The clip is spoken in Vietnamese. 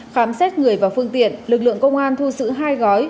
khám xét người và phương tiện lực lượng công an thu giữ hai gói